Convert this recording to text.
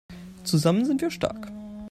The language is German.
Zusammen sind wir stark!